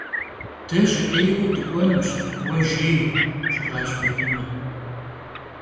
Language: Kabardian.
De jı 'êyue dık'uenuş, vue jjêy ,- jji'aş Fat'ime.